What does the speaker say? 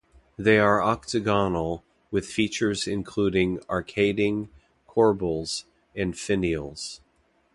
They are octagonal, with features including arcading, corbels, and finials.